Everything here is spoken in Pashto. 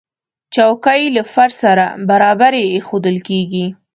چوکۍ له فرش سره برابرې ایښودل کېږي.